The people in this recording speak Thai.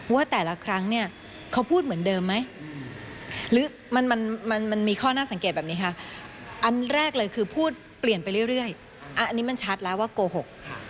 ว่าแต่ละครั้งเนี่ยเขาพูดเหมือนเดิมไหมหรือมันมีข้อน่าสังเกตแบบนี้ค่ะอันแรกเลยคือพูดเปลี่ยนไปเรื่อยอันนี้มันชัดแล้วว่าโกหกค่ะ